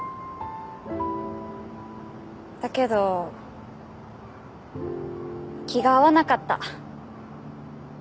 だけど気が合わなかった。